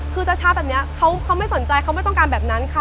คือช้าแบบนี้เขาไม่สนใจเขาไม่ต้องการแบบนั้นค่ะ